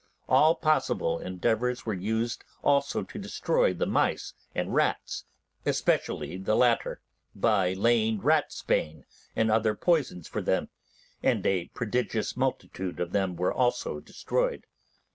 All possible endeavours were used also to destroy the mice and rats, especially the latter, by laying ratsbane and other poisons for them, and a prodigious multitude of them were also destroyed.